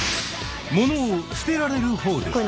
物を捨てられるほうですか？